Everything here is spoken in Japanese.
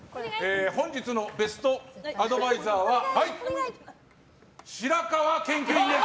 本日のベストアドバイザーは白河研究員です。